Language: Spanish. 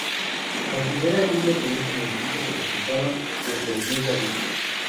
Las primeras lluvias en este municipio se presentaron desde el mes de abril.